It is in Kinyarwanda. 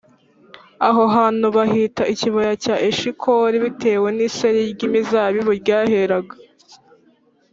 Aho hantu bahita ikibaya cya Eshikoli bitewe n’iseri ry’imizabibu ryaheraga